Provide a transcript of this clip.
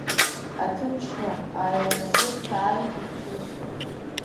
Аҭынчра ааиланагеит Сааид ибжьы.